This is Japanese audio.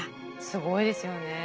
すごいですよね。